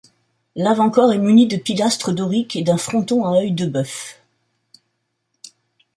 L'avant-corps est muni de pilastres doriques et d'un fronton à œil-de-bœuf.